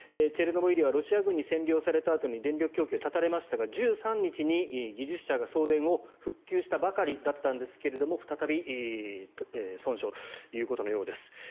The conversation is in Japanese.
チェルノブイリはロシア軍に占領されたあとに電力供給を断たれましたが１３日に技術者が送電を復旧したばかりだったんですが再び損傷ということのようです。